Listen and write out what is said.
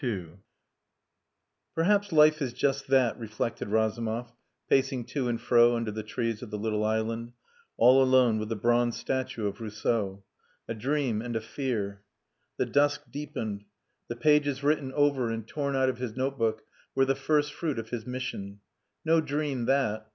II "Perhaps life is just that," reflected Razumov, pacing to and fro under the trees of the little island, all alone with the bronze statue of Rousseau. "A dream and a fear." The dusk deepened. The pages written over and torn out of his notebook were the first fruit of his "mission." No dream that.